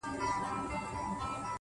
هر گړى خــوشـــالـــه اوســـــــــــې ـ